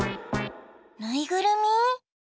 ぬいぐるみ？